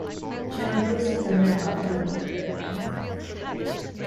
Django is determined not to leave her again.